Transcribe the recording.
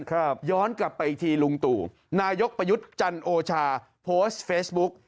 ย้อนกลับไปอีกทีลุงตู่นายกประยุทธ์จันโอชาโพสต์เฟซบุ๊ก